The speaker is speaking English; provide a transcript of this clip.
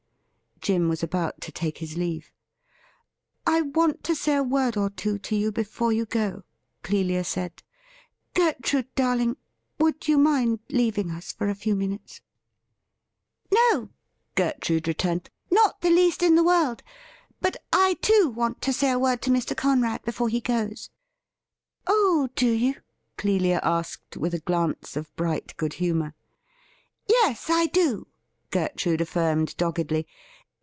Jim was about to take his leave. ' I want to say a word or two to you before you go,' Clelia said. ' Gertrude darling, would you mind leaving us for a few minutes ?' WHAT IS TO BE DONE FIRST?* S83 ' No,' Gertrude returned, ' not the least in the world. But I, too, want to say a word to Mr. Conrad before he goes.' 'Oh, do youi"' Clelia asked, with a glance of bright good humour. 'Yes, I do,' Grertrude affirmed doggedly.